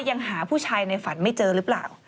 ยังหาผู้ชายในฝันไม่เจอหรือเปล่า